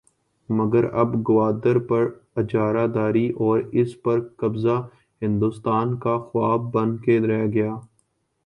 مگر اب گوادر پر اجارہ داری اور اس پر قبضہ ہندوستان کا خواب بن کے رہ گیا۔